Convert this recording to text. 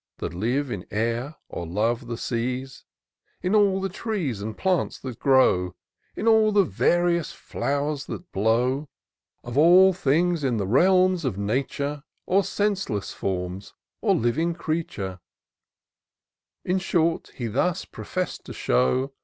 That live in air, or love the seas ; In all the trees and plants that grow, In all the various flowers that blow ; Of all things in the realms of nature, Or senseless forms, or living creature : In short, he thus profess'd to show.